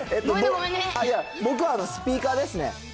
いや、僕はスピーカーですね。